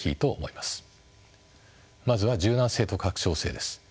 まずは柔軟性と拡張性です。